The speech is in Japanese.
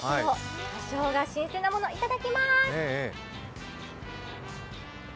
葉しょうが、新鮮なものいただきます。